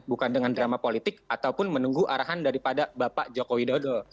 bukan dengan drama politik ataupun menunggu arahan daripada bapak joko widodo